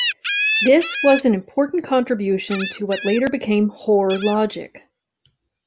This was an important contribution to what later became Hoare logic.